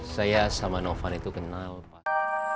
saya sama novan itu kenal